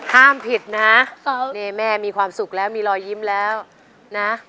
ห้ามผิดนะนี่แม่มีความสุขแล้วมีรอยยิ้มแล้วนะ